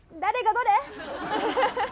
誰がどれ！？